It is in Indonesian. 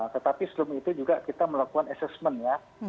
tetapi sebelum itu juga kita melakukan assessment ya